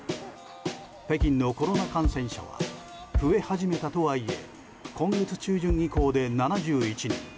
北京のコロナ感染者は増え始めたとはいえ今月中旬以降で７１人。